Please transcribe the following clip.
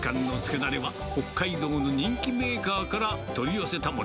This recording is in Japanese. だれは、北海道の人気メーカーから取り寄せたもの。